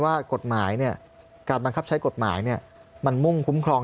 ว่ากฎหมายเนี่ยการบันครับใช้กฎหมายเนี่ยมันมุ่งคุ้มครอง